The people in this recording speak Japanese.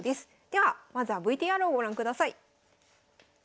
ではまずはＶＴＲをご覧ください。